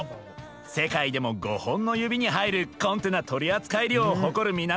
世界でも５本の指に入るコンテナ取り扱い量を誇る港タイ。